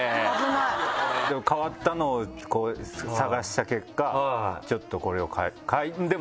でも変わったのを探した結果ちょっとこれを。